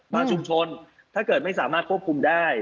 ชุมชนถ้าเกิดไม่สามารถควบคุมได้